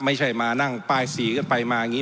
ไม่ใช่มานั่งป้ายสีกันไปมาอย่างนี้